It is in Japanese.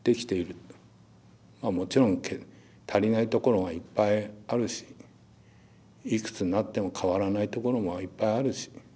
まあもちろん足りないところがいっぱいあるしいくつになっても変わらないところもいっぱいあるし。